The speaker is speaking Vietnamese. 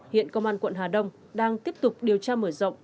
hiện công an quận hà đông đang tiếp tục điều tra mở rộng